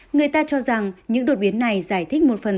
người ta cho rằng những đột biến này giải thích một phần